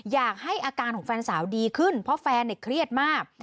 อยากให้อาการของแฟนสาวดีขึ้นเพราะแฟนเครียดมาก